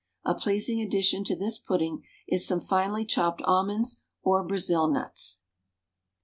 A pleasing addition to this pudding is some finely chopped almonds, or Brazil nuts.